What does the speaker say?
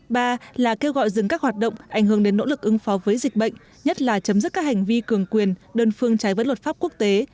ba là kêu gọi dừng các hoạt động ảnh hưởng đến nỗ lực ứng phó với dịch bệnh nhất là chấm dứt các hành vi cường quyền đơn phương trái với luật pháp quốc tế